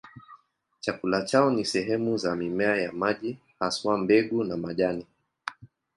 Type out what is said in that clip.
Chakula chao ni sehemu za mimea ya maji, haswa mbegu na majani.